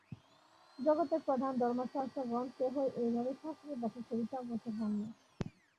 জগতের প্রধান ধর্মাচার্যগণ কেহই এইভাবে শাস্ত্রের ব্যাখ্যা করিতে অগ্রসর হন নাই।